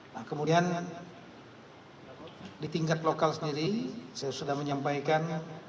nah kemudian di tingkat lokal sendiri saya sudah menyampaikan